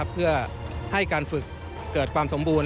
เพื่อให้การฝึกเกิดความสมบูรณ